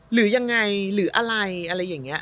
หรือยังไงหรืออะไรอะไรอย่างนี้